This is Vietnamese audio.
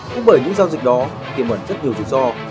cũng bởi những giao dịch đó tiềm ẩn rất nhiều rủi ro